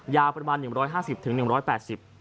ยาวประมาณ๑๕๐๑๘๐กิโลกรัม